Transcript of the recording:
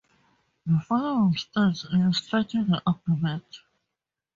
The following stats illustrate the argument.